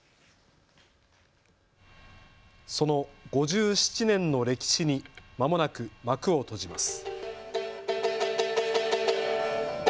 その５７年の歴史にまもなく幕を閉じます。